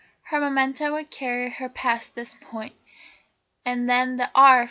Her momentum would carry her past this point, and then the "R.